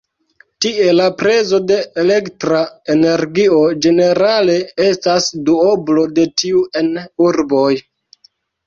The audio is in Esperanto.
Tie la prezo de elektra energio ĝenerale estas duoblo de tiu en urboj.